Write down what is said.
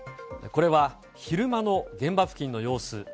これは昼間の現場付近の様子。